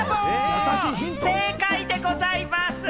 正解でございます！